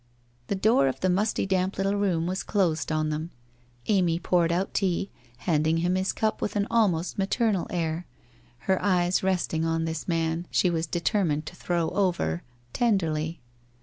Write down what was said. The door of the musty damp little room was closed on them. Amy poured out tea, handing him his cup with an almost ma ternal air, her eyes resting on this man she was determined to throw over, tenderly.